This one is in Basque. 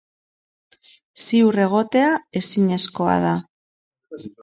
Ziur egotea ezinezkoa da.